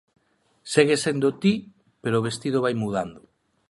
Segues sendo ti, pero o vestido vai mudando.